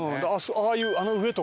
ああいうあの上とかさ。